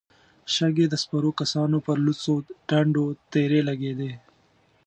شګې د سپرو کسانو پر لوڅو ټنډو تېرې لګېدې.